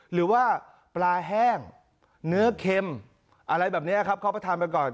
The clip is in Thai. หรือว่าปลาแห้งเนื้อเค็มอะไรแบบนี้ครับเขาไปทานมาก่อน